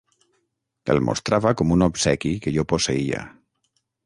El mostrava com un obsequi que jo posseïa.